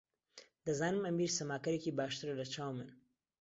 دەزانم ئەمیر سەماکەرێکی باشترە لەچاو من.